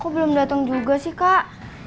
kok belum dateng juga sih kak